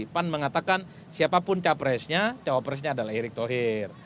pan mengatakan siapapun capresnya cawapresnya adalah erick thohir